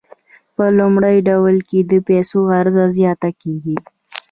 په لومړي ډول کې د پیسو عرضه زیاته کیږي.